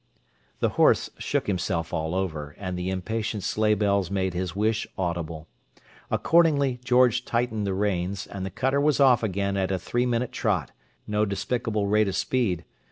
The horse shook himself all over, and the impatient sleighbells made his wish audible. Accordingly, George tightened the reins, and the cutter was off again at a three minute trot, no despicable rate of speed.